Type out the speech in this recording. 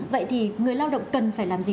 vậy thì người lao động cần phải làm gì